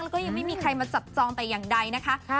แล้วก็ยังไม่มีใครมาจับจองแต่อย่างใดนะคะ